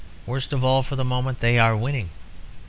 Worst of all, for the moment they are winning.